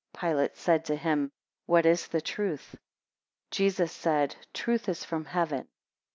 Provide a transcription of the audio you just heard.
11 Pilate saith to him, What is truth? 12 Jesus said, Truth is from heaven.